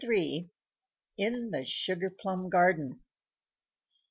IN THE SUGAR PLUM GARDEN.